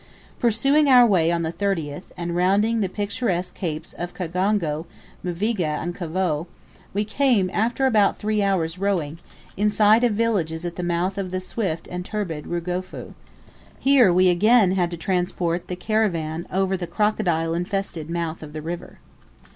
Pursuing our way on the 30th, and rounding the picturesque capes of Kagongo, Mviga and Kivoe, we came, after about three hours' rowing, in sight of villages at the mouth of the swift and turbid Rugufu. Here we had again to transport the caravan ever the crocodile infested mouth of the river.